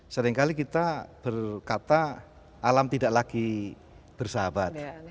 seringkali kita berkata alam tidak lagi bersahabat